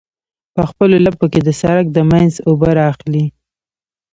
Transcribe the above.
په خپلو لپو کې د سرک د منځ اوبه رااخلي.